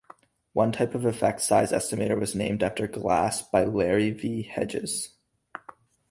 One type of effect size estimator was named after Glass by Larry V. Hedges.